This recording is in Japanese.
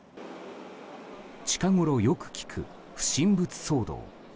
近ごろよく聞く不審物騒動。